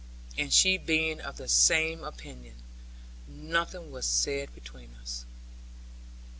And she being of the same opinion, nothing was said between us.